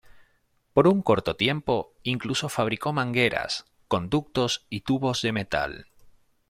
Por un corto tiempo, incluso fabricó mangueras, conductos y tubos de metal.